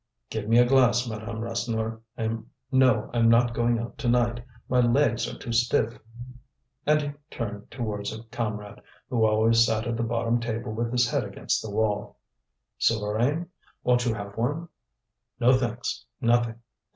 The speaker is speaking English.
"Give me a glass, Madame Rasseneur. No, I'm not going out to night; my legs are too stiff." And he turned towards a comrade, who always sat at the bottom table with his head against the wall. "Souvarine, won't you have one?" "No, thanks; nothing."